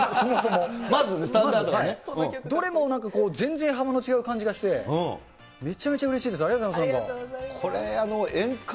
どれもなんか全然違う感じがして、めちゃめちゃうれしいです。